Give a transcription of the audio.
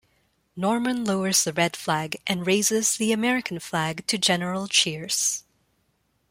Norman lowers the Red flag and raises the American flag to general cheers.